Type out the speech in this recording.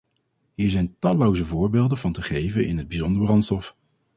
Hier zijn talloze voorbeelden van te geven, in het bijzonder brandstof.